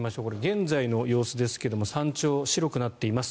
現在の様子ですが山頂、白くなっています。